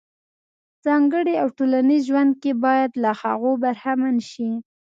په ځانګړي او ټولنیز ژوند کې باید له هغو برخمن شي.